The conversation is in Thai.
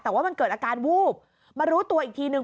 แต่ว่ามันเกิดอาการวูบมารู้ตัวอีกทีนึง